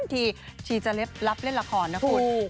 แน่นตรีที่จะเล่นลับเล่นราคอนนะคุณถูก